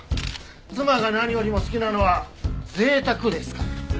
妻が何よりも好きなのは贅沢ですから。